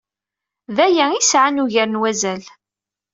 D aya ay yesɛan ugar n wazal!